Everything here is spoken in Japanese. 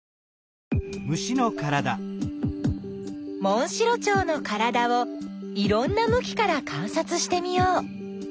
モンシロチョウのからだをいろんなむきからかんさつしてみよう。